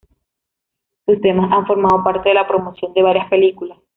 Sus temas han formado parte de la promoción de varias películas.